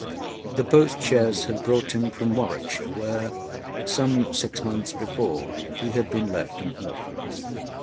The post chaise had brought him from Warwickshire, where, some six months before, he had been left an orphan.